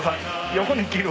横に切る。